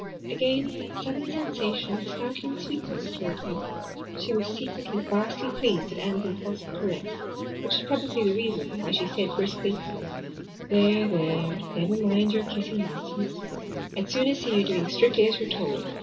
Again that sudden sensation of startling sweetness thrilled her. She was secretly vastly pleased at Anne's impulsive caress, which was probably the reason why she said brusquely: "There, there, never mind your kissing nonsense. I'd sooner see you doing strictly as you're told.